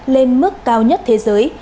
lên mức cao nhất thế giới